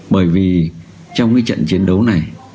bởi vì trong cái trận chiến đấu này